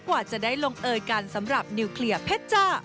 กว่าจะได้ลงเอยกันสำหรับนิวเคลียร์เพชรจ้า